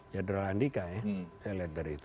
jenderal andika ya saya lihat dari itu